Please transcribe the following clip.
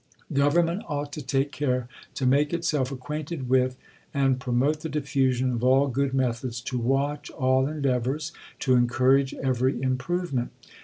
Government ought to take care to make itself acquainted with, and promote the diffusion of all good methods, to watch all endeavours, to encourage every improvement.